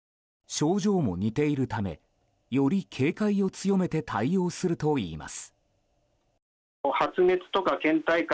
症状も似ているためより警戒を強めて対応するといいます。